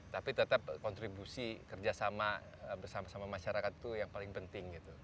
tapi tetap kontribusi kerjasama bersama sama masyarakat itu yang paling penting gitu